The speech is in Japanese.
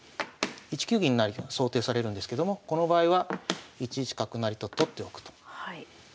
１九銀成と想定されるんですけどもこの場合は１一角成と取っておくと。